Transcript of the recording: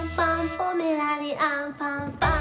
ポメラニアンパンパン。